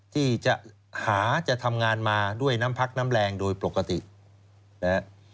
ที่จะหาจะทำงานมาด้วยน้ำพักน้ำแรงโดยปกตินะฮะ